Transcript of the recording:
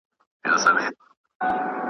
د اوبو زور یې په ژوند نه وو لیدلی .